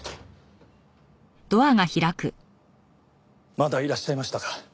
まだいらっしゃいましたか。